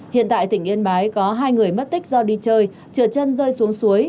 hiện tại tỉnh yên bái có hai người mất tích do đi chơi trượt chân rơi xuống suối